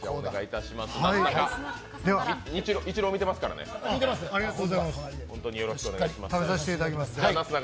ニッチロー見てますからね、本当によろしくお願いします。